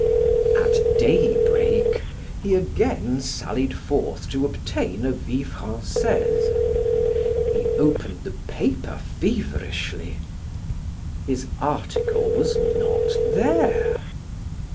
At daybreak he again sallied forth to obtain a "Vie Francaise." He opened the paper feverishly; his article was not there.